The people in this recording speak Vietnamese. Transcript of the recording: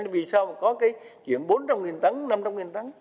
vì sao mà có cái chuyện bốn trăm linh tấn năm trăm linh tấn